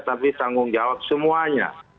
tapi tanggung jawab semuanya